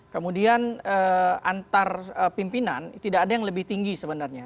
kemudian antar pimpinan tidak ada yang lebih tinggi sebenarnya